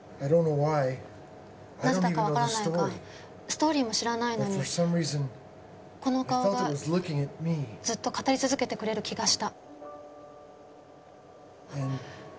「なぜだかわからないがストーリーも知らないのにこの顔がずっと語り続けてくれる気がした」。